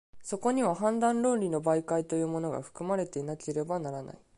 そこには判断論理の媒介というものが、含まれていなければならない。